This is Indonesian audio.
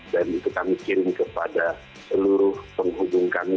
dan itu kami kirim kepada seluruh penghubung kami